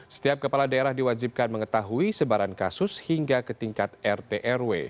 setiap kepala daerah diwajibkan mengetahui sebaran kasus hingga ke tingkat rt rw